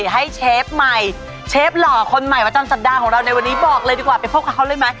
เชฟใหม่เชฟหล่อคนใหม่ประจำสัปดาห์ของเราในวันนี้บอกเลยดีกว่าไปพบกับเขาเลยไหม